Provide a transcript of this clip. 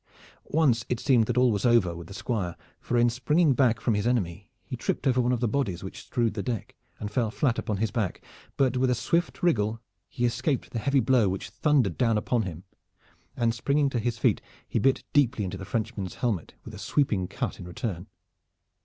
Once it seemed that all was over with the Squire, for in springing back from his enemy he tripped over one of the bodies which strewed the deck and fell flat upon his back, but with a swift wriggle he escaped the heavy blow which thundered down upon him, and springing to his feet he bit deeply into the Frenchman's helmet with a sweeping cut in return.